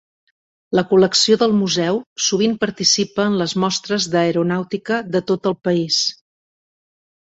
La col·lecció del museu sovint participa en les mostres d'aeronàutica de tot el país.